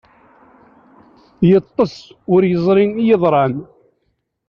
Yeṭṭes ur yeẓri i yeḍran.